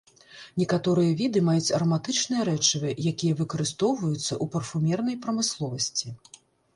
Некаторыя віды маюць араматычныя рэчывы, якія выкарыстоўваюцца ў парфумернай прамысловасці.